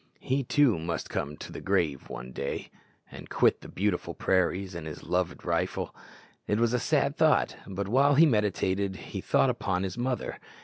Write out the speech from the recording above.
He, too, must come to the grave one day, and quit the beautiful prairies and his loved rifle. It was a sad thought; but while he meditated he thought upon his mother.